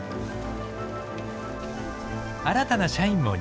新たな社員も入社。